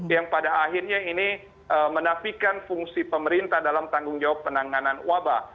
yang pada akhirnya ini menafikan fungsi pemerintah dalam tanggung jawab penanganan wabah